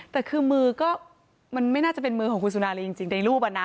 แต่คือมือก็มันไม่น่าจะเป็นมือของคุณสุนารีจริงในรูปอะนะ